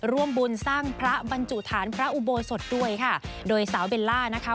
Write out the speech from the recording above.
ร่วมบุญสร้างพระบรรจุฐานพระอุโบสถด้วยค่ะโดยสาวเบลล่านะคะ